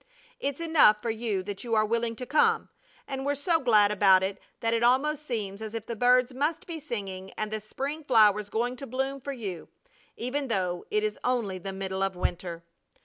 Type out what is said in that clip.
It's enough for you that you are willing to come, and we're so glad about it that it almost seems as if the birds must be singing and the spring flowers going to bloom for you, even though it is only the middle of winter.